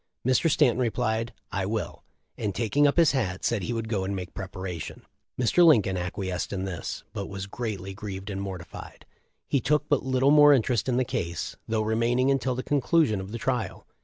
Mr. Stanton replied, T will/ and taking up his hat, said he would go and make preparation. Mr. Lin coln acquiesced in this, but was greatly grieved and mortified ; he took but little more interes in the case, though remaining until the conclusion of the trial.